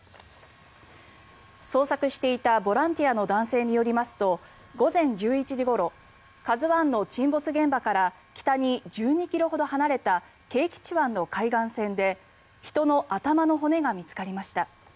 捜索していたボランティアの男性によりますと午前１１時ごろ「ＫＡＺＵ１」の沈没現場から北に１２ｋｍほど離れた啓吉湾の海岸線で人の頭の骨が見つかりました。